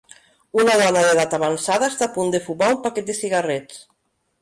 Una dona d'edat avançada està a punt de fumar un paquet de cigarrets.